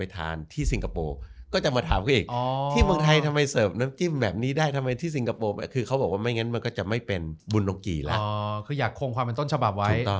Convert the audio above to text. ที่สิงคโปร์ก็จะมาถามคืออีกที่เมืองไทยทำไมเสิร์ฟน้ำจิ้มแบบนี้ได้ทำไมที่สิงคโปร์คือเขาบอกว่าไม่งั้นมันก็จะไม่เป็นบุตรงกีแล้วคืออยากคงความเป็นต้นฉบับไว้